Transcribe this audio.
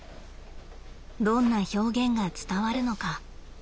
どんな表現が伝わるのか？